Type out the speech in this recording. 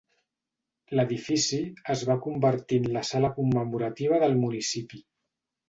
L'edifici es va convertir en la Sala commemorativa del municipi.